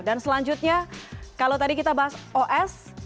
dan selanjutnya kalau tadi kita bahas os